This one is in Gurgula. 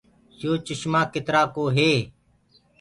يو چشمآ ڪِتآرآ ڪو هي۔